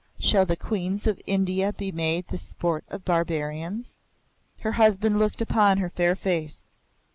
Shall the Queens of India be made the sport of the barbarians?" Her husband looked upon her fair face.